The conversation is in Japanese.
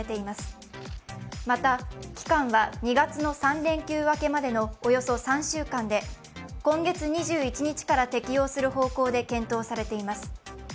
また期間は２月の三連休明けまでのおよそ３週間で今月２１日から適用する方向で検討されています。